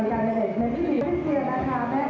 สวัสดีครับ